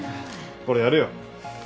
これやるよ。